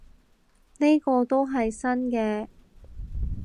呢個都係新嘅